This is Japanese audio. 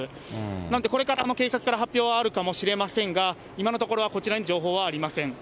なので、これから警察から発表はあるかもしれませんが、今のところはこちらに情報はありません。